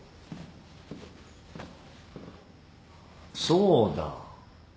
そうだ。